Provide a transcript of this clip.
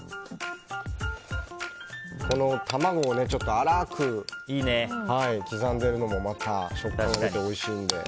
卵を粗く刻んでいるのもまた食感が出ておいしいので。